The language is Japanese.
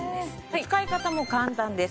使い方も簡単です。